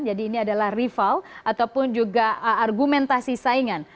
jadi ini adalah rival ataupun juga argumentasi saingan